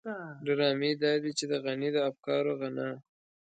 ډرامې دادي چې د غني د افکارو غنا.